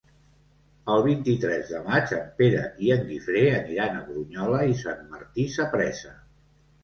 El vint-i-tres de maig en Pere i en Guifré aniran a Brunyola i Sant Martí Sapresa.